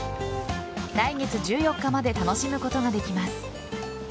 来月１４日まで楽しむことができます。